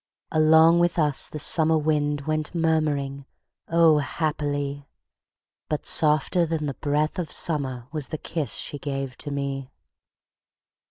Along with us the summer wind Went murmuring O, happily! But softer than the breath of summer Was the kiss she gave to me.